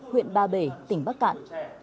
huyện ba bể tỉnh bắc cạn